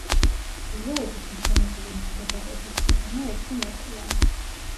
ჩრდილოეთით მიშენებული ნაგებობების სიგანე ერთი მეტრია.